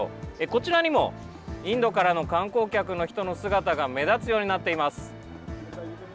こちらにも、インドからの観光客の人の姿が目立つようになっています。